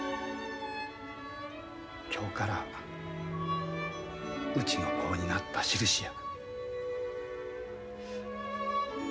今日からうちの子になったしるしや。